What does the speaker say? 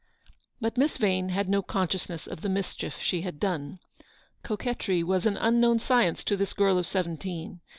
But Miss Vane had no consciousness of the mischief she had done. Coquetry was an unknown science to this girl of seventeen.